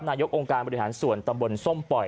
นายกองค์การบริหารส่วนตำบลส้มปล่อย